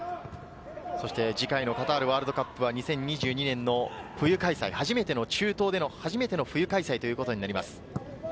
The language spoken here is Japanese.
次回のカタールワールドカップは２０２２年の冬開催、初めての中東での初めての冬開催ということになります。